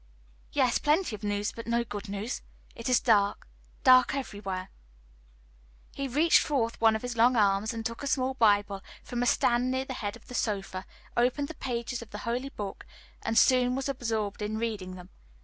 "Yes, plenty of news, but no good news. It is dark, dark everywhere." He reached forth one of his long arms, and took a small Bible from a stand near the head of the sofa, opened the pages of the holy book, and soon was absorbed in reading them.